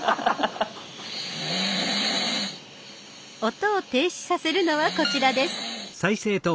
音を停止させるのはこちらです。